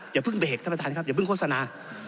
อย่าเพิ่งเบรกท่านประธานครับอย่าเพิ่งโฆษณา